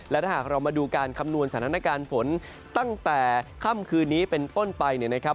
และถ้าหากเรามาดูการคำนวณสถานการณ์ฝนตั้งแต่ค่ำคืนนี้เป็นต้นไปเนี่ยนะครับ